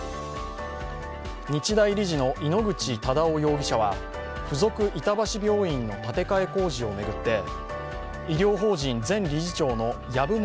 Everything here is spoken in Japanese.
日大理事の井ノ口忠男容疑者は附属板橋病院の建て替え工事を巡って医療法人前理事長の籔本